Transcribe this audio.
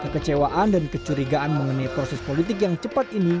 kekecewaan dan kecurigaan mengenai proses politik yang cepat ini